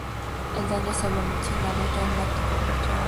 El "daño" se había mencionado en un artículo de "Yahoo!